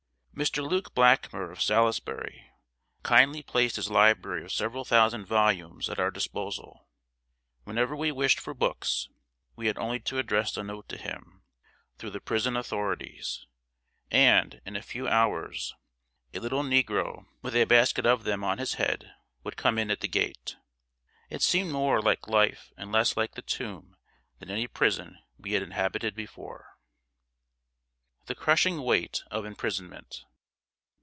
Mr. Luke Blackmer, of Salisbury, kindly placed his library of several thousand volumes at our disposal. Whenever we wished for books we had only to address a note to him, through the prison authorities, and, in a few hours, a little negro with a basket of them on his head would come in at the gate. It seemed more like life and less like the tomb than any prison we had inhabited before. [Sidenote: THE CRUSHING WEIGHT OF IMPRISONMENT.